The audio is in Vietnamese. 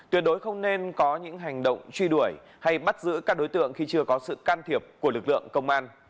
tuyệt đối không nên có những hành động truy đuổi hay bắt giữ các đối tượng khi chưa có sự can thiệp của lực lượng công an